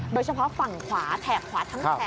โดยเฉพาะฝั่งขวาแถบขวาทั้งแถบ